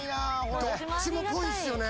・どっちもぽいっすよね。